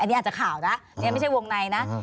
อันนี้อาจจะข่าวนะนี่ไม่ใช่วงในนะ